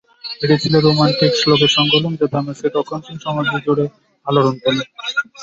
এটি ছিল রোমান্টিক শ্লোকের সংকলন যা দামেস্কের রক্ষণশীল সমাজ জুড়ে আলোড়ন তোলে।